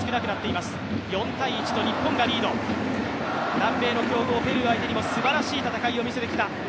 南米の強豪ペルー相手にもすばらしい戦いを見せてきた。